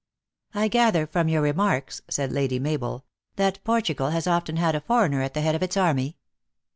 " I gather from your remarks," said Lady Mabel, " that Portugal has often had a foreigner at the head of its army."